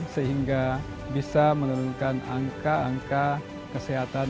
sehingga bisa menurunkan angka angka kesehatan